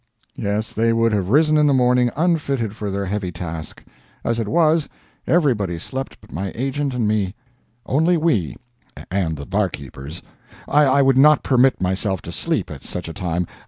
Yes, they would have risen in the morning unfitted for their heavy task. As it was, everybody slept but my agent and me only we and the barkeepers. I would not permit myself to sleep at such a time.